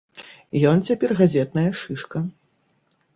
Ён цяпер газетная шышка.